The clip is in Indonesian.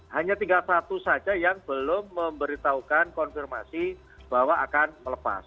hanya tinggal satu saja yang belum memberitahukan konfirmasi bahwa akan melepas